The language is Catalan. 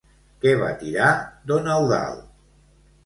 Què va tirar don Eudald?